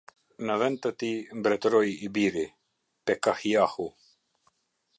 Në vend të tij mbretëroi i biri, Pekahiahu.